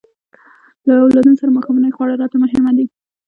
له اولادونو سره ماښامنۍ خوړل راته مهمه ده.